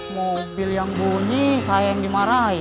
mobil yang bunyi saya yang dimarahin